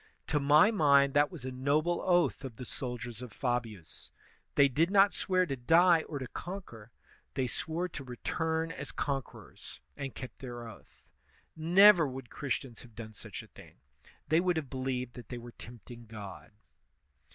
To my mind that was a noble oath of the soldiers of Fabius; they did not swear to die or to conquer, they swore to return as con CIVIL RELIGION 123 querors, and kept their oath. Never would Christians have done such a thing; they would have believed that they were tempting God.